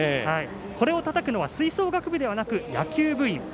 これをたたくのは吹奏楽部じゃなく野球部員。